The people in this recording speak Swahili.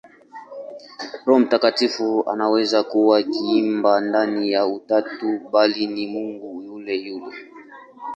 Roho Mtakatifu hawezi kuwa kiumbe ndani ya Utatu, bali ni Mungu yule yule.